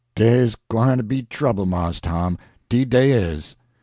Dey's gwyne to be trouble, Mars Tom, 'deed dey is."